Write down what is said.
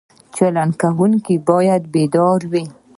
چلوونکی باید بیدار وي.